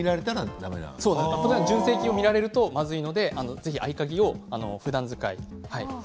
純正キーを見られるとまずいのでぜひ合鍵を、ふだん使いということです。